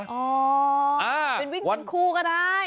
เป็นวิ่งเป็นคู่ก็ได้